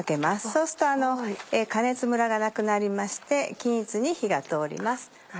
そうすると加熱ムラがなくなりまして均一に火が通ります。